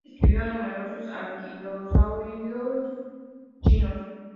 Describió a numerosos anquilosáuridos chinos.